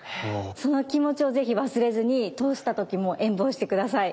その気持ちを是非忘れずに通した時も演武をして下さい。